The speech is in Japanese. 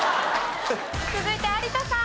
続いて有田さん。